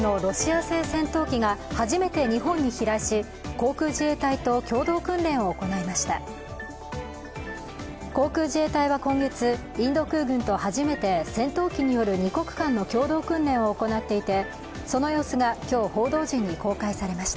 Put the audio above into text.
航空自衛隊は今月、インド空軍と初めて戦闘機による２国間の共同訓練を行っていてその様子が今日、報道陣に公開されました。